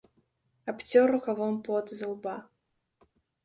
Абцёр рукавом пот з ілба.